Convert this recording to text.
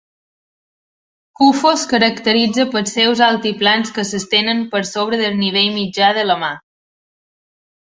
Kouffo es caracteritza pels seus altiplans que s'estenen per sobre del nivell mitjà de la mar.